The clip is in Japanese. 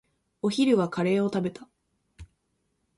お昼はカレーを食べた。